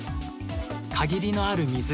限りのある水。